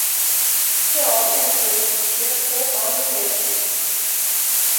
Ja, tänkte hon, vi har två barn gemensamt.